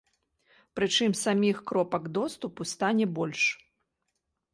Прычым саміх кропак доступу стане больш.